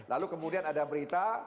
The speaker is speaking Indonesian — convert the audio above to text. lalu kemudian ada berita